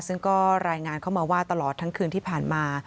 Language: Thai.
ซึ่งก็รายงานเข้ามาว่าตลอดทั้งคืนที่ผ่านมา